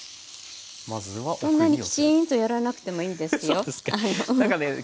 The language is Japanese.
こんなにきちんとやらなくてもいいですよ。